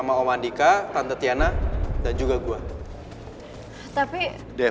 pas roman pengen baca buisi